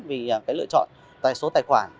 vì lựa chọn số tài khoản